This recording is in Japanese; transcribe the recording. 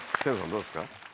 どうですか？